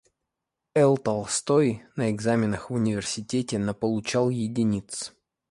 Л.Толстой на экзаменах в университете наполучал единиц.